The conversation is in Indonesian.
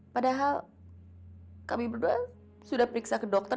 padahal kami berdua sudah periksa ke dokter